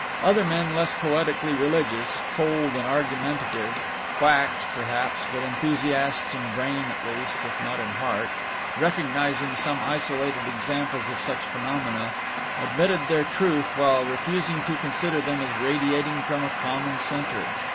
Other men, less poetically religious, cold, and argumentative quacks perhaps, but enthusiasts in brain at least, if not in heart recognizing some isolated examples of such phenomena, admitted their truth while refusing to consider them as radiating from a common centre.